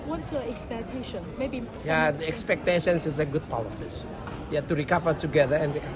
harapan saya adalah memiliki pemerintah yang baik untuk berkembang bersama dan lebih kuat